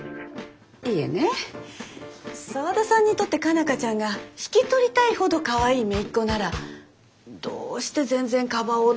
いえね沢田さんにとって佳奈花ちゃんが引き取りたいほどかわいい姪っ子ならどうして全然かばおうとなさらないのかなって。